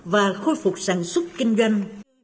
và khôi phục sản xuất kinh doanh